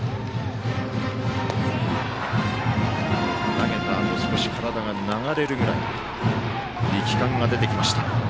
投げたあと少し体が流れるぐらい力感が出てきました。